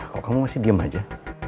kok kamu masih diem aja